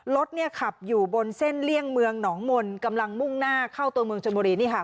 รถเนี่ยขับอยู่บนเส้นเลี่ยงเมืองหนองมนต์กำลังมุ่งหน้าเข้าตัวเมืองชนบุรีนี่ค่ะ